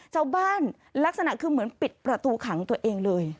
บ้านลักษณะคือเหมือนปิดประตูขังตัวเองเลย